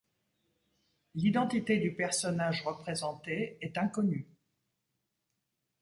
L'identité du personnage représenté est inconnu.